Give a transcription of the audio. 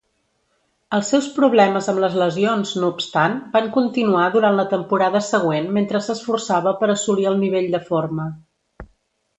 Els seus problemes amb les lesions, no obstant, van continuar durant la temporada següent mentre s'esforçava per assolir el nivell de forma.